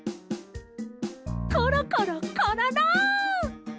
コロコロコロロ！